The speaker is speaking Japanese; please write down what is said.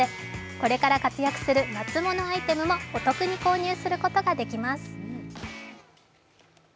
これから活躍する夏物アイテムもお得に購入することができます。